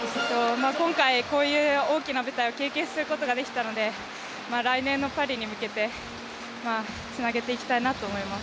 今回こういう大きな舞台を経験することができたので来年のパリに向けてつなげていきたいなと思います。